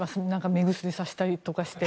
目薬さしたりとかして。